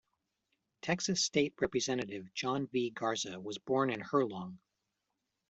Texas State Representative John V. Garza was born in Herlong.